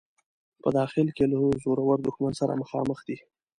په داخل کې له زورور دښمن سره مخامخ دی.